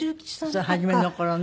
そう初めの頃ね。